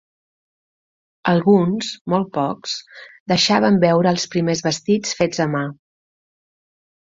Alguns, molt pocs, deixaven veure els primers vestits fets a mà.